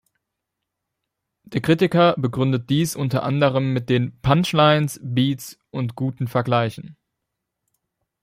Der Kritiker begründet dies unter anderem mit den „Punchlines, Beats und guten Vergleichen“.